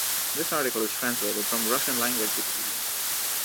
"This article is translated from Russian language Wikipedia"